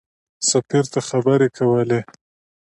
سفیر ته خبرې کولې.